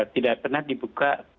tidak pernah dibuka